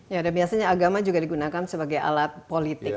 ya dan biasanya agama juga digunakan sebagai alat politik